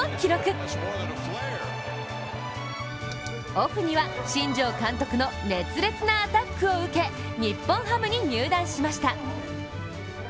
オフには新庄監督の熱烈なアタックを受け日本ハムに入団しました。